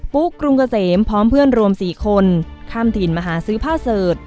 ุ๊กกรุงเกษมพร้อมเพื่อนรวม๔คนข้ามถิ่นมาหาซื้อผ้าเสิร์ช